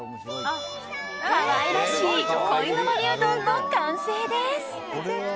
可愛らしいこいのぼりうどんの完成です。